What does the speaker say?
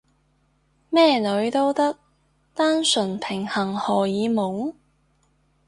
咩女都得？單純平衡荷爾蒙？